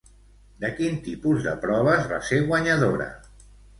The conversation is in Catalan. De quin tipus de proves va ser guanyadora?